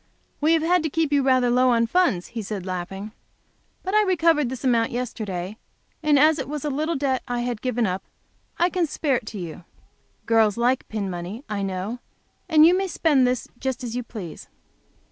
"We have had to keep you rather low in funds," he said laughing. "But I recovered this amount yesterday, and as it was a little debt I had given up, I can spare it to you. For girls like pin money, I know, and you may spend this just as you please."